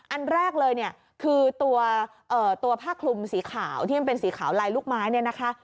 อันแรกเลยคือตัวผ้าคลุมสีขาวที่เป็นสีขาวลายลูกไม้นะคะ